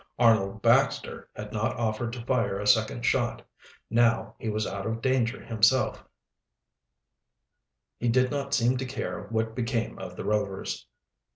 Arnold Baxter had not offered to fire a second shot. Now, he was out of danger himself, he did not seem to care what became of the Rovers.